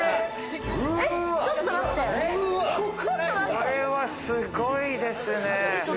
これはすごいですね。